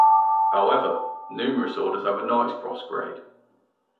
However, numerous orders have a Knight's Cross grade.